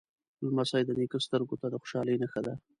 لمسی د نیکه سترګو ته د خوشحالۍ نښه ده.